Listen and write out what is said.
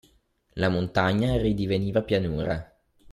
La montagna ridiveniva pianura.